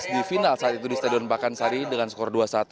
di final saat itu di stadion pakansari dengan skor dua satu